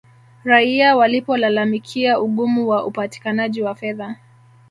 raia walipolalamikia ugumu wa upatikanaji wa fedha